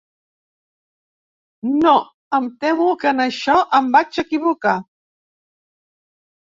No, em temo que en això em vaig equivocar.